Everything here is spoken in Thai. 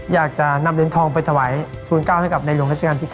อยากจะนำเหลืองทองไปทวายทุนก้าวให้กับหลวงรัชกาลที่๙